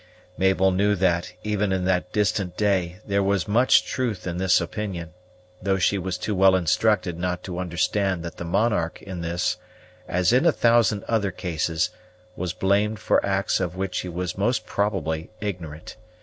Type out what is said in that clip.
Mabel knew that, even in that distant day, there was much truth in this opinion, though she was too well instructed not to understand that the monarch, in this, as in a thousand other cases, was blamed for acts of which he was most probably ignorant.